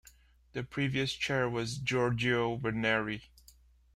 The previous chair was Giorgio Veneri.